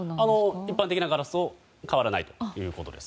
一般的なガラスと変わらないということです。